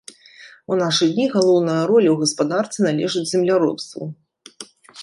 У нашы дні галоўная роля ў гаспадарцы належыць земляробству.